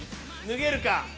脱げるか？